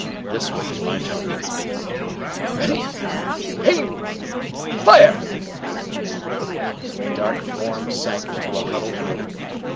This would be my target. "Ready! Aim! Fire!" The dark form sank into a huddled heap.